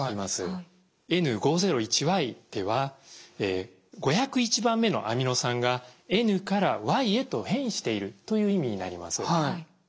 Ｎ５０１Ｙでは５０１番目のアミノ酸がＮからＹへと変異しているという意味になります。